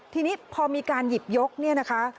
ทีนี้พอมีการหยิบยกเนี่ยนะคะ